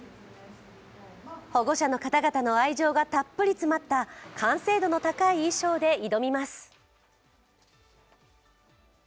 保護者の方々の愛情がたっぷり詰まった完成度の高い衣装で挑みます。